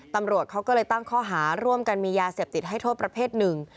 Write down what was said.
ตำรวจเขาก็เลยตั้งข้อหาร่วมกันมียาเสพติดให้โทษประเภทหนึ่ง